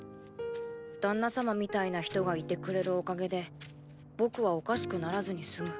ダンナ様みたいな人がいてくれるおかげで僕はおかしくならずに済む。